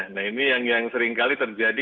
nah ini yang sering kali terjadi